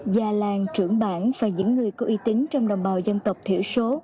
gia làng trưởng bản và những người có y tính trong đồng bào dân tộc thiểu số